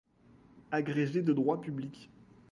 Agrégé de droit public.